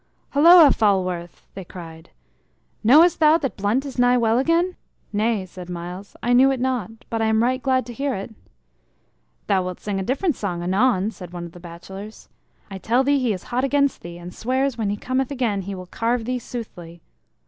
"Holloa, Falworth!" they cried. "Knowest thou that Blunt is nigh well again?" "Nay," said Myles, "I knew it not. But I am right glad to hear it." "Thou wilt sing a different song anon," said one of the bachelors. "I tell thee he is hot against thee, and swears when he cometh again he will carve thee soothly."